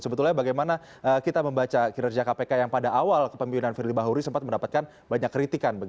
sebetulnya bagaimana kita membaca kinerja kpk yang pada awal kepemimpinan firly bahuri sempat mendapatkan banyak kritikan